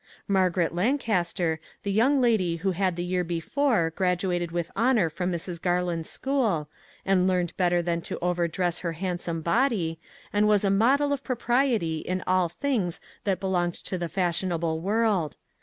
Margaret Lancaster, the young lady who had the year before graduated with honor from Mrs. Garland's school, had learned better than to overdress her handsome body, and was a model of propriety in all things that belonged to the fashionable world.